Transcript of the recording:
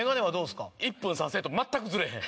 １分３セット全くずれへん。